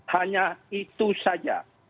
hanya itu saja